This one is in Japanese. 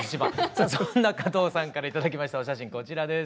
さあそんな加藤さんから頂きましたお写真こちらです。